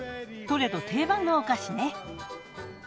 トレド定番のお菓子ね。